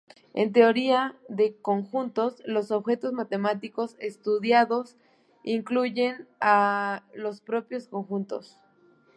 En teoría de conjuntos, los objetos matemáticos estudiados incluyen a los propios conjuntos.